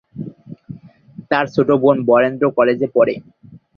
তার ছোট বোন বরেন্দ্র কলেজে পড়ে।